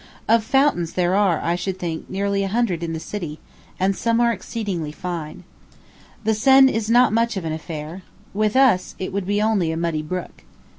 Of fountains there are, I should think, nearly a hundred in the city, and some are exceedingly fine. The Seine is not much of an affair. With us, it would be only a muddy brook.